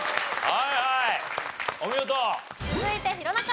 はい。